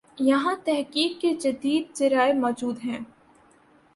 یہاںتحقیق کے جدید ذرائع موجود ہیں۔